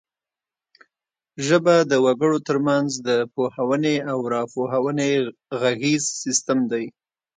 ژبه د وګړو ترمنځ د پوهونې او راپوهونې غږیز سیستم دی